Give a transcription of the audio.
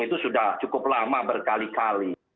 itu sudah cukup lama berkali kali